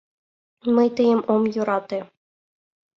Мый тыйым ом йӧрате.